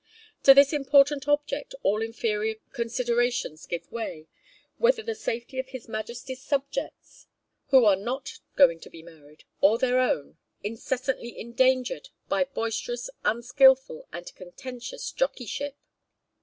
To this important object all inferior considerations give way; whether the safety of his majesty's subjects, who are not going to be married, or their own, incessantly endangered by boisterous, unskilful and contentious jockeyship.'